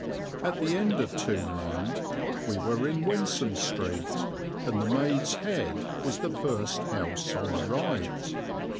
At the end of Tombland we were in Wensum Street, and the "Maid's Head" was the first house on the right.